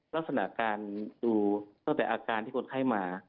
ลักษณะการดูสินค้าต้องแต่อาการที่คนไข้มา